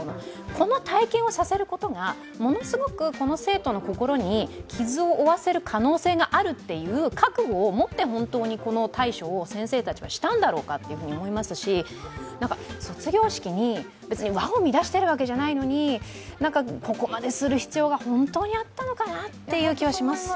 この体験をさせることがものすごくこの生徒の心に傷を負わせる可能性があるという覚悟を持って、本当にこの対処を先生たちはしたんだろうかと思いますし卒業式に、別に輪をみだしているわけじゃないのにここまでする必要が本当にあったのかなという気はします。